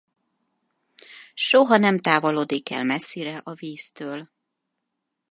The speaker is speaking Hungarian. Soha nem távolodik el messzire a víztől.